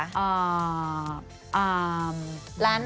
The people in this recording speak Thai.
อ่าอ่าร้านอาจารย์บริการ์